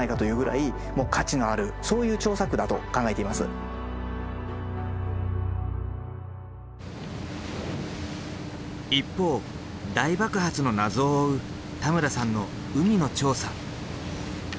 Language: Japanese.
そのことを考えると一方大爆発の謎を追う田村さんの海の調査。